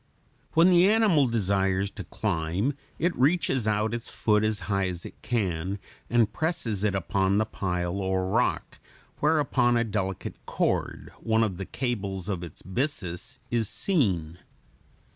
When the animal desires to climb, it reaches out its foot as high as it can (Fig. 87), and presses it upon the pile or rock, whereupon a delicate cord, one of the cables of its byssus, is seen.